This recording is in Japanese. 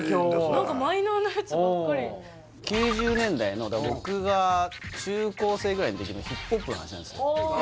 何かマイナーなやつばっかり９０年代の僕が中高生ぐらいの時のヒップホップの話なんですよ